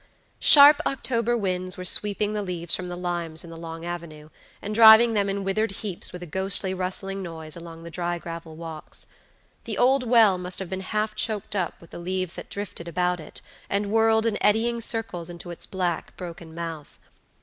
Sharp October winds were sweeping the leaves from the limes in the long avenue, and driving them in withered heaps with a ghostly rustling noise along the dry gravel walks. The old well must have been half choked up with the leaves that drifted about it, and whirled in eddying circles into its black, broken mouth.